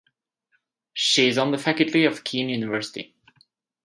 She is on the faculty of Kean University.